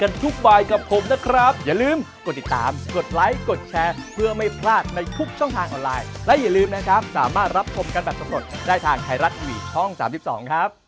อ่ะคุณผู้ชมครับ